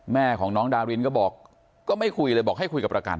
แม่ของน้องดารินก็บอกก็ไม่คุยเลยบอกให้คุยกับประกัน